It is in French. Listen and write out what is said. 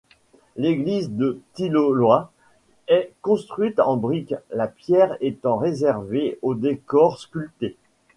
L'église de Tilloloy est construite en brique, la pierre étant réservée au décor sculpté.